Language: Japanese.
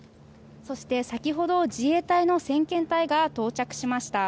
そして先ほど、自衛隊の先遣隊が到着しました。